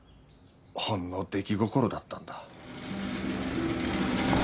ほんの出来心だったんだ。